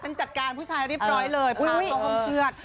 ชั้นจะจัดการผู้ชายเร็วมอบเลยพาต้องเชือก